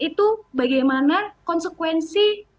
itu bagaimana konsekuensi